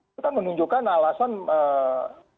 itu kan menunjukkan alasan ee